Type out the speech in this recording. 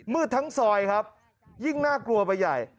ทั้งซอยครับยิ่งน่ากลัวไปใหญ่